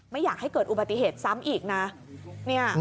ไม่อยากให้เกิดอุบัติเหตุซ้ำอีกนะ